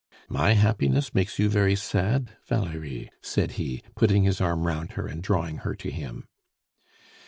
"My happiness makes you very sad, Valerie," said he, putting his arm round her and drawing her to him.